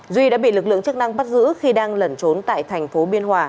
duy đã bị lực lượng chức năng bắt giữ khi đang lẩn trốn tại tp biên hòa